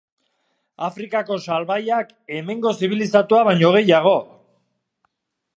Afrikako salbaiak, hemengo zibilizatuak baino gehiago!